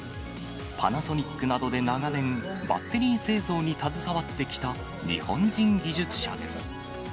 パナソニックなどで長年、バッテリー製造に携わってきた日本人技術者です。